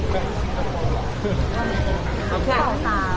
ขสาว